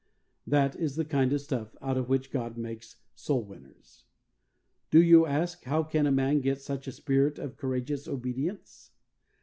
That is the kind of stuff out of which God makes soul winners. Do you ask, how can a man get such a spirit of courageous obedience?